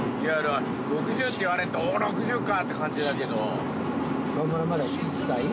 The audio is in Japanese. ６０って言われるとお６０かって感じだけど。